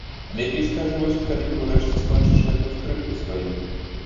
Лепей скажы вось, калі ты, урэшце, скончыш гэту скрыпку сваю?